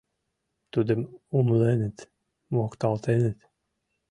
Тудым умыленыт, мокталтеныт.